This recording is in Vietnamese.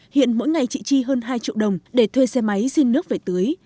hiện mỗi ngày chị chi hơn hai triệu đồng để thuê xe máy xin nước về tưới